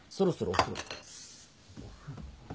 お風呂。